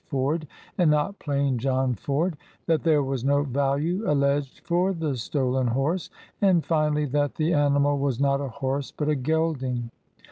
Ford, and not plain John Ford; that there was no value al leged for the stolen horse; and, finally, that the animal was not a horse, but a gelding.